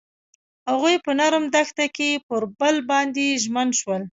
هغوی په نرم دښته کې پر بل باندې ژمن شول.